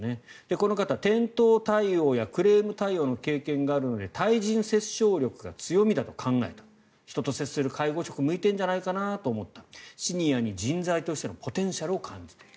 この方は店頭対応やクレーム対応の経験があるので対人折衝力が強みだと考えた人と接する介護職に向いてるんじゃないかなと思ったシニアに人材としてのポテンシャルを感じている。